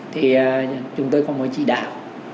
thì chúng tôi có một chỉ đạo